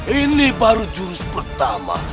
ini baru jurus pertama